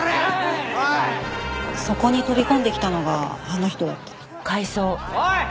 そこに飛び込んできたのがあの人だった。